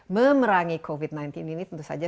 memerangi covid sembilan belas ini tentu saja